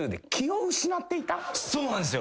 そうなんすよ。